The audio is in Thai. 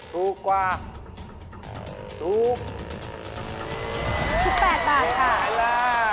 ถูกกว่า๑๘บาทค่ะงั้นล่ะ